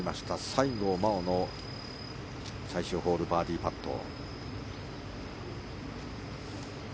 西郷真央の最終ホールバーディーパット。